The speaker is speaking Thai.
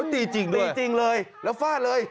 ตีจริงตีจริงเลยแล้วฟาดเลย